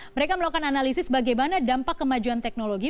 mereka melakukan analisis bagaimana dampak kemajuan teknologi